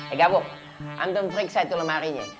eh gabo antun periksa itu lemarinya